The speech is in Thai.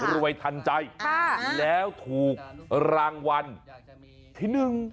รวยทันใจค่ะแล้วถูกรางวัลที่หนึ่ง